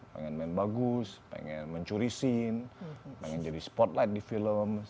pengen main bagus pengen mencuri scene pengen jadi spotlight di film